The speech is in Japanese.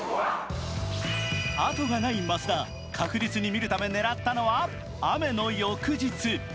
後がない増田、確実に見るため狙ったのは雨の翌日。